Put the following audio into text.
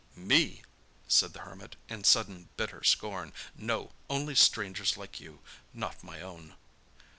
"Me!" said the Hermit, in sudden bitter scorn. "No, only strangers like you. Not my own."